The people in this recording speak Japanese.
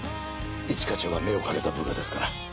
一課長が目をかけた部下ですから。